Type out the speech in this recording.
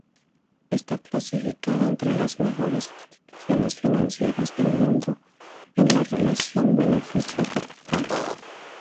Está clasificada entre las mejores instituciones financieras del mundo en la relación beneficio-capital.